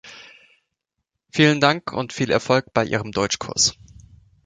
Vielen Dank, und viel Erfolg bei Ihrem Deutschkurs!